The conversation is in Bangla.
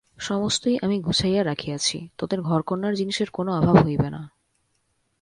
সমস্তই আমি গুছাইয়া রাখিয়াছি, তোদের ঘরকন্নার জিনিসের কোনো অভাব হইবে না।